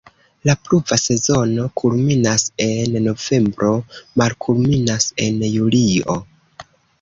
La pluva sezono kulminas en novembro, malkulminas en julio.